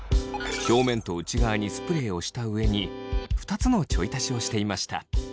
表面と内側にスプレーをした上に２つのちょい足しをしていました。